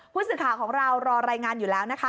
ผู้สื่อข่าวของเรารอรายงานอยู่แล้วนะคะ